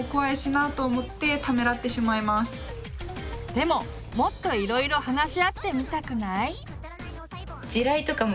でももっといろいろ話し合ってみたくない？